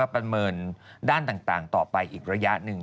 ประเมินด้านต่างต่อไปอีกระยะหนึ่ง